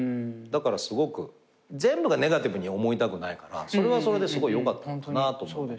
だからすごく全部がネガティブに思いたくないからそれはそれですごいよかったのかなと。